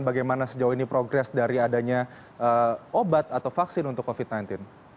bagaimana sejauh ini progres dari adanya obat atau vaksin untuk covid sembilan belas